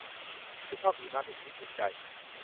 ผู้ชอบหิมะเป็นชีวิตจิตใจ